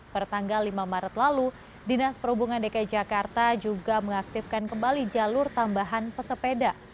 pertanggal lima maret lalu dinas perhubungan dki jakarta juga mengaktifkan kembali jalur tambahan pesepeda